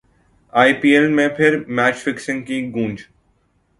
ائی P L میں پھر match fixing کی گونج